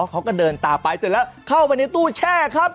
เขาก็เดินตามไปเสร็จแล้วเข้าไปในตู้แช่ครับ